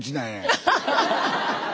アハハハハ！